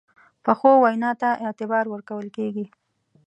پخو وینا ته اعتبار ورکول کېږي